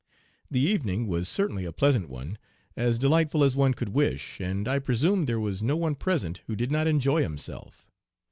The evening was certainly a pleasant one, as delightful as one could wish, and I presume there was no one present who did not enjoy himself.